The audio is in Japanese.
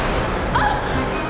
あっ。